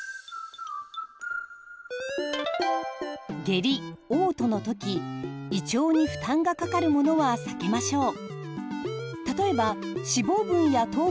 下痢おう吐のとき胃腸に負担がかかるものは避けましょう。